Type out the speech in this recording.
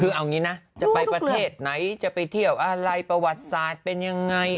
คือเอางี้นะจะไปประเทศไหนจะไปเที่ยวอะไรประวัติศาสตร์เป็นยังไง